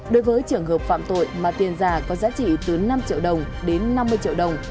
đối với trường hợp phạm tội mà tiền giả có giá trị tướng năm mươi